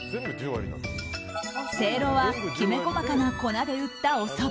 せいろはきめ細かな粉で打ったおそば